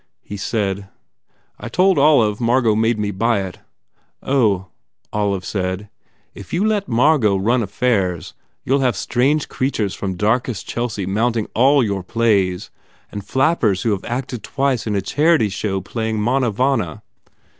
He said, "I told Olive Margot made me buy it." "Oh," Olive said, "if you let Margot run your affairs you ll have strange creatures from darkest Chelsea mounting all your plays and flappers 176 TODGERS INTRUDES who ve acted twice in a charity show playing Monna Vanna.